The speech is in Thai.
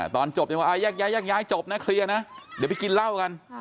ตอนจบยังไงแยกจบนะคลียร์นะเดี๋ยวไปกินเหล้ากัน